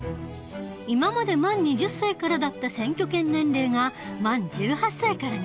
今まで満２０歳からだった選挙権年齢が満１８歳からになった。